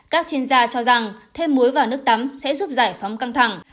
các chuyên gia cho rằng thêm muối vào nước tắm sẽ giúp giải phóng căng thẳng